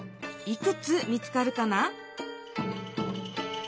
いくつ見つかるかな？